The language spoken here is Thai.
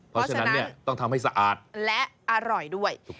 เพราะฉะนั้นเนี่ยต้องทำให้สะอาดและอร่อยด้วย